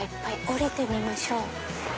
降りてみましょう。